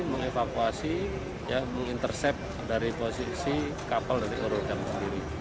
mengevakuasi mengintercept dari posisi kapal dari urutan sendiri